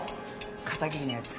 片桐のやつ